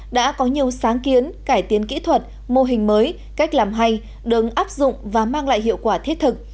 đã có nhiều sáng kiến cải tiến kỹ thuật mô hình mới cách làm hay đừng áp dụng và mang lại hiệu quả thiết thực